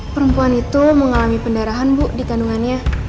perempuan itu mengalami pendarahan bu di kandungannya